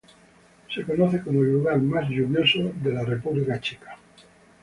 Se conoce como el lugar más lluvioso en la República Checa.